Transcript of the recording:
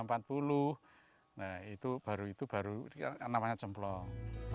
nah itu baru baru namanya cemplong